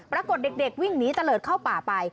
ปรากฏเด็กวิ่งหนีตะเลิศเข้าป่าไป